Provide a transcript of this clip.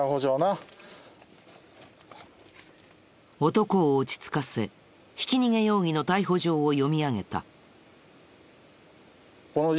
男を落ち着かせひき逃げ容疑の逮捕状を読み上げた。